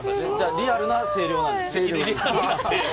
リアルな声量なんですね。